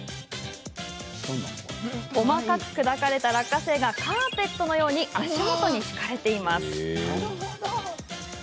細かく砕かれた落花生がカーペットのように足元に敷かれています。